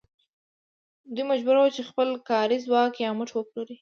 دوی مجبور وو چې خپل کاري ځواک یا مټ وپلوري